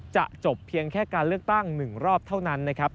จะจบเพียงแค่การเลือกตั้ง๑รอบเท่านั้นนะครับ